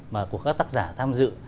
mà của các tác giả tham dự